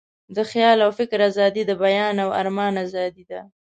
د خیال او فکر آزادي، د بیان او آرمان آزادي ده.